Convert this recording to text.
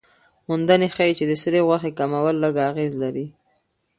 موندنې ښيي چې د سرې غوښې کمول لږ اغېز لري.